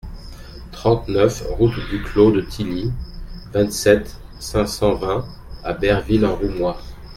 trente-neuf route du Clos de Tilly, vingt-sept, cinq cent vingt à Berville-en-Roumois